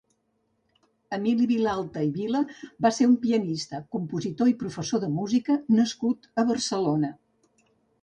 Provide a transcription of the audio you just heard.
Emili Vilalta i Vila va ser un pianista, compositor i professor de música nascut a Barcelona.